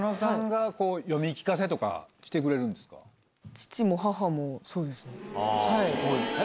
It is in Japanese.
父も母もそうですね。